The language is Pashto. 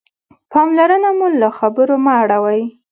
پاملرنه مو له خبرو مه اړوئ.